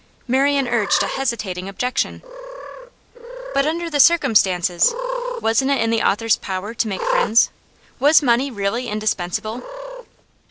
Marian urged a hesitating objection. 'But, under the circumstances, wasn't it in the author's power to make friends? Was money really indispensable?